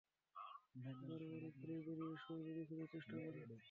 বারে-বারে ঘুরে বেরিয়ে, সহযোগী খোঁজার চেষ্টা করো?